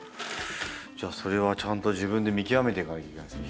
それはちゃんと自分で見極めていかなきゃいけないですね